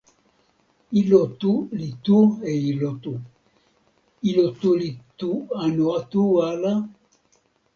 ilo tu li tu e ilo tu, ilo tu li tu anu tu ala?